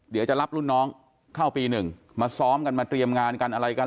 เดี๋ยวจะรับรุ่นน้องเข้าปี๑มาซ้อมกันมาเตรียมงานกันอะไรกัน